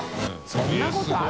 そんなことある？